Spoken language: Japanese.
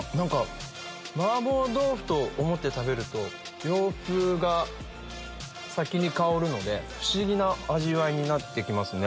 麻婆豆腐と思って食べると洋風が先に香るので不思議な味わいになってきますね。